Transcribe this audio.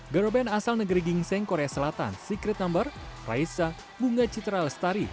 girl band asal negeri gingseng korea selatan secret number raisa bunga citra lestari